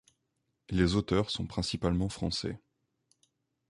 Les auteurs sont principalement français.